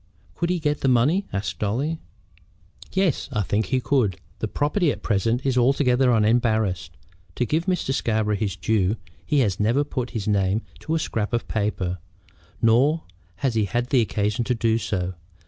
"Could he get the money?" asked Dolly. "Yes, I think he could. The property at present is altogether unembarrassed. To give Mr. Scarborough his due, he has never put his name to a scrap of paper; nor has he had occasion to do so.